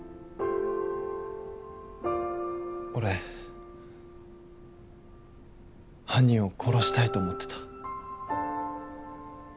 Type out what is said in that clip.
俺犯人を殺したいと思ってた。